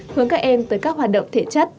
hướng các em tới các hoạt động thể chất